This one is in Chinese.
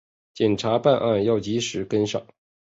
检察办案要及时跟上